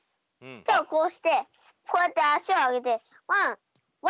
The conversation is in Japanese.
てをこうしてこうやってあしをあげてなに？